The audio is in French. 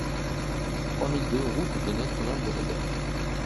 trois mille deux route de Notre-Dame de la Gorge